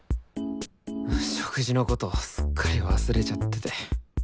食事のことすっかり忘れちゃってて。